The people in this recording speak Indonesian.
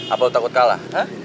apa lo takut kalah